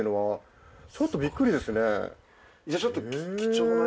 じゃあちょっと。